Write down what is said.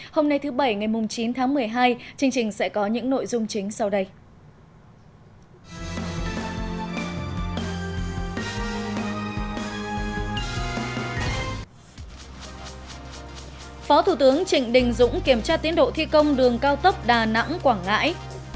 hôm nay thứ bảy ngày chín tháng một mươi hai chương trình sẽ có những nội dung chính sau đây